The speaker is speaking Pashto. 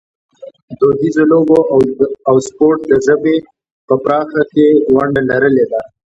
دودیزو لوبو او سپورټ د ژبې په پراختیا کې ونډه لرلې ده.